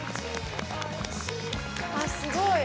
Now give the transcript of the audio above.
あっすごい！